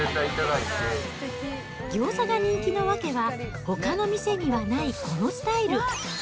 ギョーザが人気の訳は、ほかの店にはないこのスタイル。